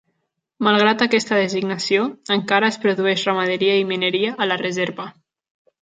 Malgrat aquesta designació, encara es produeix ramaderia i mineria a la Reserva.